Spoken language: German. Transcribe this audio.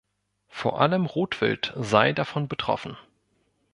Vor allem Rotwild sei davon betroffen.